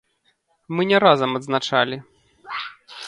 Мы не разам адзначалі.